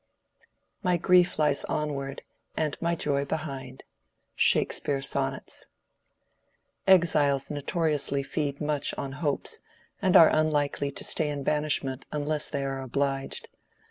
"My grief lies onward and my joy behind." —SHAKESPEARE: Sonnets. Exiles notoriously feed much on hopes, and are unlikely to stay in banishment unless they are obliged.